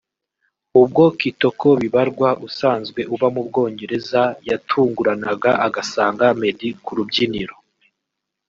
ubwo Kitoko Bibarwa usanzwe uba mu Bwongereza yatunguranaga agasanga Meddy ku rubyiniro